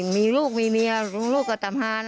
มีลูกมีเมียลูกกะสัมภาณ